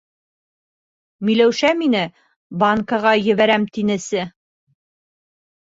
Миләүшә мине банкаға ебәрәм тинесе.